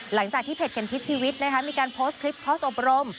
หลังจากที่เพจเข็มทิศชีวิตนะคะมีการโพสต์คลิปข้อสอบรม